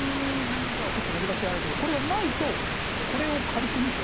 ちょっと難しい話だけどこれがないとこれを軽く見て。